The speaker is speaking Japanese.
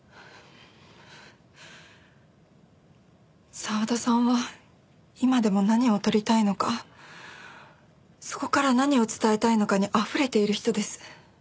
澤田さんは今でも何を撮りたいのかそこから何を伝えたいのかにあふれている人です。